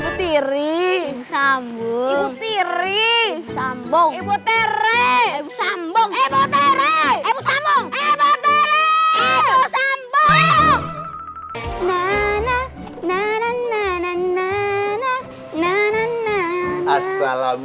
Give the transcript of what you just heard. siri sambung sambung teri sambung sambung